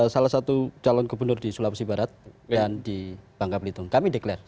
salah satu calon gubernur di sulawesi barat dan di bangka belitung kami deklarasi